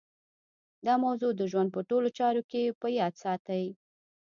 دا موضوع د ژوند په ټولو چارو کې په ياد ساتئ.